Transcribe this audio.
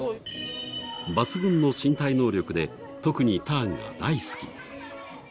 抜群の身体能力で特にターンが大好き。